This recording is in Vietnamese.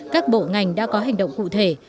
các bộ ngành đã có hành động cụ thể